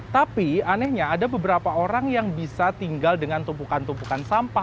tapi anehnya ada beberapa orang yang bisa tinggal dengan tumpukan tumpukan sampah